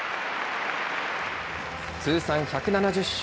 通算１７０勝。